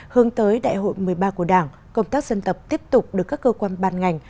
hướng tới đại hội một mươi ba của đảng công tác dân tộc tiếp tục được các cơ quan ban ngành